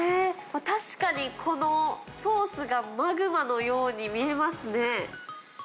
確かにこのソースがマグマのように見えますね。